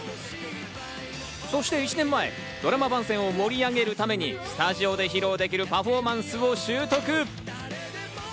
そして１年前、ドラマ番宣を盛り上げるために、スタジオで披露できるパフォーマンスを習得。